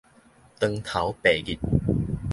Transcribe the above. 當頭白日